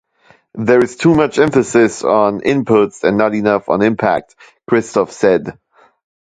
"There is too much emphasis on inputs and not enough on impact," Kristof said.